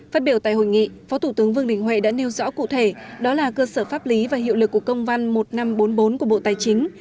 phát biểu tại hội nghị phó thủ tướng vương đình huệ đã nêu rõ cụ thể đó là cơ sở pháp lý và hiệu lực của công văn một nghìn năm trăm bốn mươi bốn của bộ tài chính